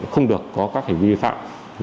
không được có các hành vi vi phạm